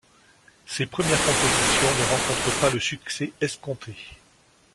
Ses premières compositions ne rencontrent pas le succès escompté.